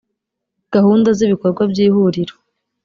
gahunda z ibikorwa by ihuriro